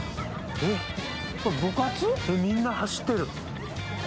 みんな走ってる。